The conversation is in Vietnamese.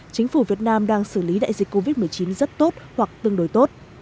chính phủ việt nam đang xử lý đại dịch covid một mươi chín rất tốt hoặc tương đối tốt